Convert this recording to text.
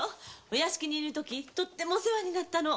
お屋敷ではとってもお世話になったの。